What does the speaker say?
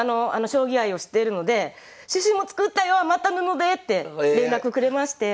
将棋愛を知っているので「シュシュも作ったよ余った布で！」って連絡くれまして。